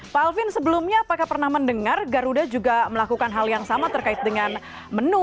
pak alvin sebelumnya apakah pernah mendengar garuda juga melakukan hal yang sama terkait dengan menu